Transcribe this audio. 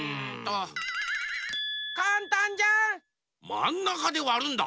まんなかでわるんだ！